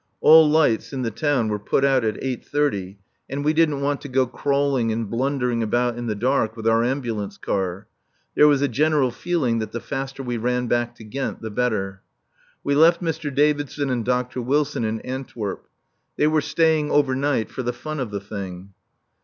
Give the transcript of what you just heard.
All lights in the town were put out at eight thirty, and we didn't want to go crawling and blundering about in the dark with our ambulance car. There was a general feeling that the faster we ran back to Ghent the better. We left Mr. Davidson and Dr. Wilson in Antwerp. They were staying over night for the fun of the thing.